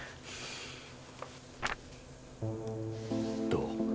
どう？